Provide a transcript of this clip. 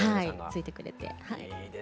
ついてくれてはい。